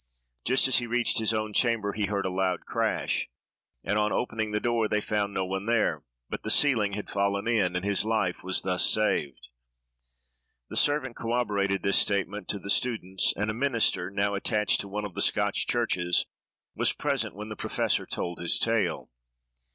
Just as he reached his own chamber, he heard a loud crash, and, on opening the door, they found no one there, but the ceiling had fallen in, and his life was thus saved. The servant corroborated this statement to the students; and a minister, now attached to one of the Scotch churches, was present when the professor told his tale.